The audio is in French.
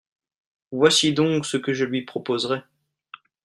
voici donc ce que je lui proposerais.